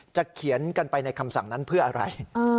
เขียนกันไปในคำสั่งนั้นเพื่ออะไร